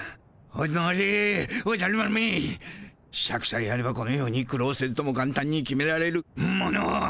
おのれおじゃる丸めシャクさえあればこのように苦労せずとも簡単に決められるものを。